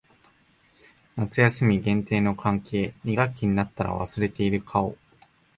夏休み限定の関係。二学期になったら忘れている顔。